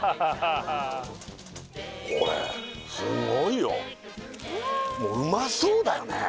これすんごいよもううまそうだよね